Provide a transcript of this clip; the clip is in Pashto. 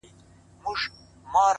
علم د ژوند معنا روښانه کوي!